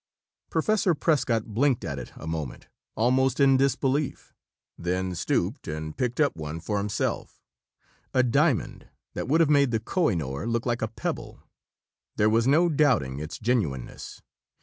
Professor Prescott blinked at it a moment, almost in disbelief, then stooped and picked up one for himself a diamond that would have made the Kohinoor look like a pebble. There was no doubting its genuineness.